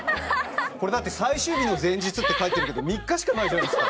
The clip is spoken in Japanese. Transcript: これだって「最終日の前日」って書いてあるけど３日しかないじゃないですか。